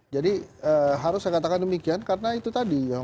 harus saya katakan demikian karena itu tadi